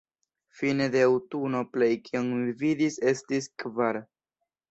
Fine de aŭtuno plej kion mi vidis estis kvar.